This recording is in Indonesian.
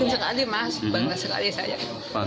jadi bangga sekali saya